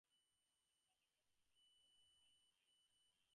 His father was released after the fall of Napoleon.